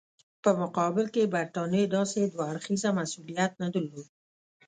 په مقابل کې برټانیې داسې دوه اړخیز مسولیت نه درلود.